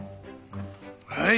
はい。